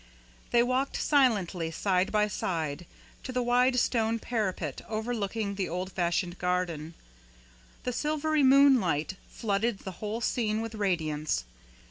They walked silently, side by side, to the wide stone parapet overlooking the old fashioned garden. The silvery moonlight flooded the whole scene with radiance.